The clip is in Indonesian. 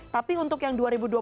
tapi untuk yang dua ribu dua puluh